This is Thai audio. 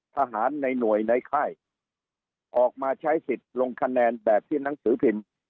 ทหารในหน่วยในค่ายออกมาใช้สิทธิ์ลงคะแนนแบบที่หนังสือพิมพ์